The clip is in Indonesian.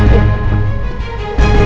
noah ala ru'an iman